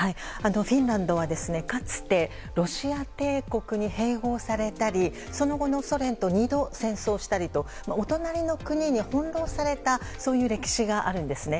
フィンランドは、かつてロシア帝国に併合されたりその後のソ連と２度戦争をしたりと、お隣の国に翻弄された歴史があるんですね。